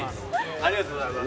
ありがとうございます。